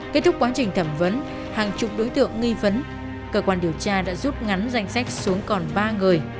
kết thúc quá trình thẩm vấn hàng chục đối tượng nghi vấn cơ quan điều tra đã rút ngắn danh sách xuống còn ba người